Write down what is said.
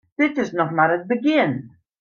Dit is noch mar it begjin.